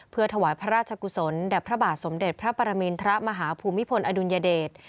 เพื่อถวายพระราชกุศลแด่พระบาทสมเด็จพระปรมินทรมาฮภูมิพลอดุลยเดช